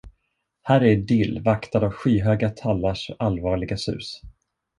Här är idyll, vaktad av skyhöga tallars allvarliga sus.